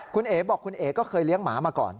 คุณเอ๋บอกคุณเอ๋ก็เคยเลี้ยงหมามาก่อน